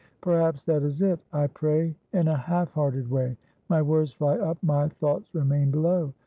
' Perhaps that is it. I pray in a half hearted way. " My words fly up, my thoughts remain below."